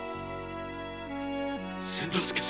千之助様。